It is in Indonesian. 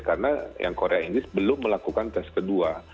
karena yang korea inggris belum melakukan tes kedua